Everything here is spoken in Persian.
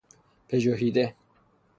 پژوهیده